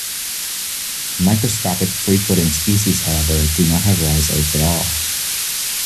Microscopic free-floating species, however, do not have rhizoids at all.